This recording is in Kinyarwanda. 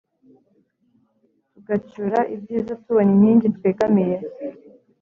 tugacyura ibyiza, tubona inkingi twegamiye